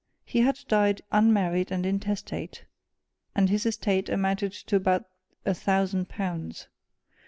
He had died unmarried and intestate, and his estate amounted to about a thousand pounds.